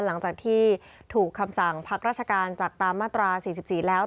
หลังจากที่ถูกคำสั่งพักราชการจากตามมาตรา๔๔แล้ว